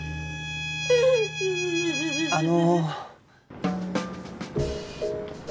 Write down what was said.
あの。